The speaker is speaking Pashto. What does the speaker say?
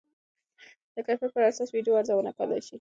د کیفیت پر اساس ویډیو ارزونه کولی شئ.